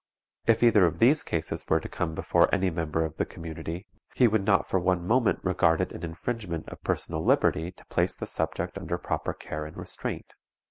If either of these cases were to come before any member of the community, he would not for one moment regard it an infringement of personal liberty to place the subject under proper care and restraint.